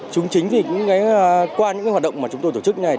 chúng chính vì những hoạt động mà chúng tôi tổ chức như thế này